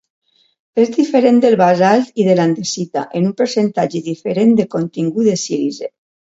És diferent del basalt i de l'andesita en un percentatge diferent de contingut de sílice.